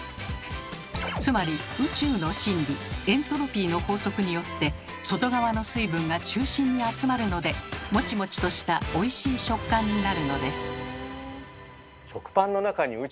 つまり宇宙の真理エントロピーの法則によって外側の水分が中心に集まるのでもちもちとしたおいしい食感になるのです。